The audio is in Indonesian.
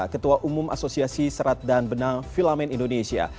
ketua umum asosiasi serat dan benang filamen indonesia